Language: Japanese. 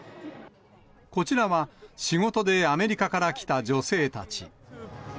こちらは、仕事でアメリカから来た女性たち。